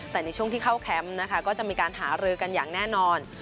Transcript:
แต่ในช่วงที่เข้าแคมป์นะคะก็จะมีการหารือกันอย่างแน่นอน